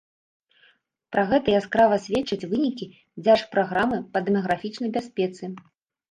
Пра гэта яскрава сведчаць вынікі дзяржпраграмы па дэмаграфічнай бяспецы.